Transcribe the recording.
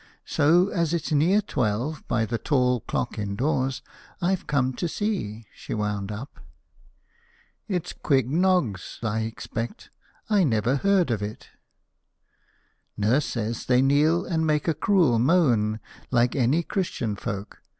So, as it's near twelve by the tall clock indoors, I've come to see," she wound up. "It's quig nogs, I expect. I never heard of it." "Nurse says they kneel and make a cruel moan, like any Christian folk.